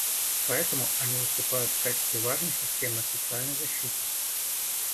Поэтому они выступают в качестве важной системы социальной защиты.